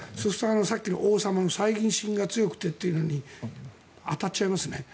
さっきの王様のさいぎ心が強くてというのに当たっちゃいますね。